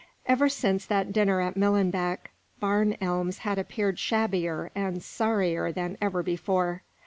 Ever since that dinner at Millenbeck, Barn Elms had appeared shabbier and sorrier than ever before.